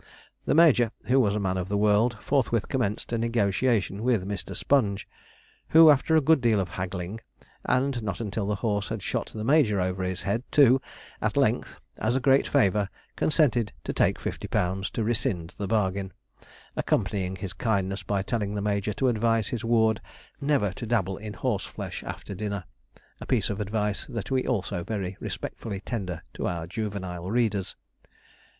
The major, who was a man of the world, forthwith commenced a negotiation with Mr. Sponge, who, after a good deal of haggling, and not until the horse had shot the major over his head, too, at length, as a great favour, consented to take fifty pounds to rescind the bargain, accompanying his kindness by telling the major to advise his ward never to dabble in horseflesh after dinner; a piece of advice that we also very respectfully tender to our juvenile readers.